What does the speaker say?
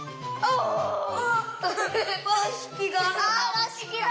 わしきだ！